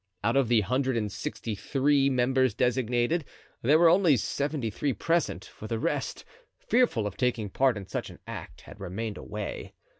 Out of the hundred and sixty three members designated there were only seventy three present, for the rest, fearful of taking part in such an act, had remained away.